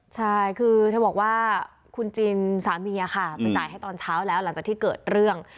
ใช่คือเธอบอกว่าคุณจินสามีค่ะไปจ่ายให้ตอนเช้าแล้วหลังจากที่เกิดเรื่อง